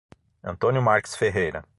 Antônio Marques Ferreira